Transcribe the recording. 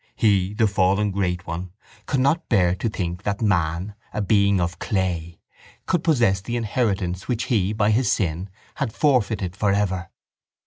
He, the fallen great one, could not bear to think that man, a being of clay, should possess the inheritance which he by his sin had forfeited for ever.